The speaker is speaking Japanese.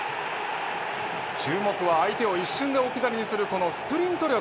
注目は相手を一瞬で置き去りにするこのスプリント力。